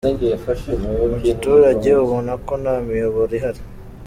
Mu giturage ubona ko nta miyoboro ihari.